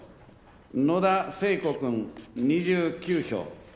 野田聖子君、２９票。